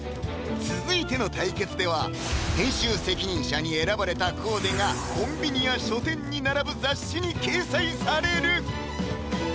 続いての対決では編集責任者に選ばれたコーデがコンビニや書店に並ぶ雑誌に掲載される！